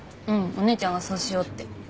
お姉ちゃんがそうしようって。